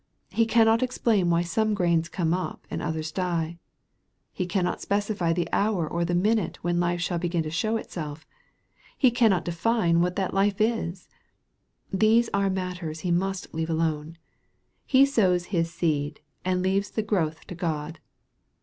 He cannot explain why some grains come up and others die. He cannot specify the hour or the minute when life shall begin to show itself. He can not define what that life is. These are matters he must leave alone. He sows his seed, and leaves the growth to God.